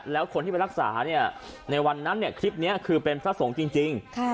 แล้วคนที่ไปรักษาในวันนั้นคลิปนี้คือเป็นพระสงฆ์จริง